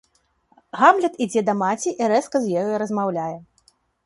Гамлет ідзе да маці і рэзка з ёю размаўляе.